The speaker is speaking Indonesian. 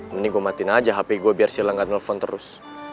mending gua matiin aja hp gua biar sila ga telfon terus